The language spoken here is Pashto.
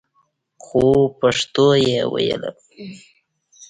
خو پښتو يې ويله.